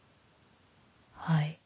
はい。